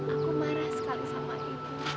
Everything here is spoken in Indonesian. aku marah sekali sama ibu